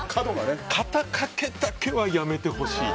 肩掛けだけはやめてほしい。